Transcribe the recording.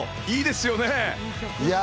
いいですよね。